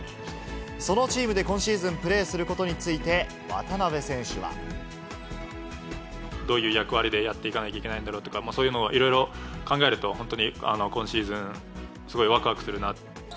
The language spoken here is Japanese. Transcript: そのチームで今シーズンプレーすることについて、どういう役割でやっていかなきゃいけないんだろうとか、そういうのをいろいろ考えると、本当に今シーズン、すごいわくわくするな。